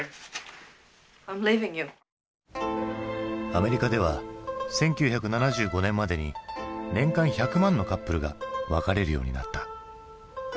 アメリカでは１９７５年までに年間１００万のカップルが別れるようになった。